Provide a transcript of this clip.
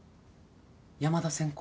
山田先公。